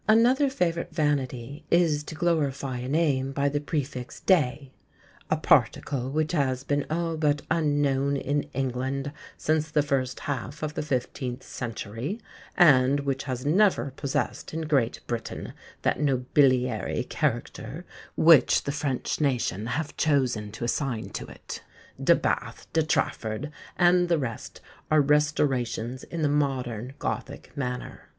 Another favourite vanity is to glorify a name by the prefix De: "a particle which has been all but unknown in England since the first half of the fifteenth century, and which has never possessed in Great Britain that nobiliary character which the French nation have chosen to assign to it. De Bathe, De Trafford, and the rest are restorations in the modern Gothic manner."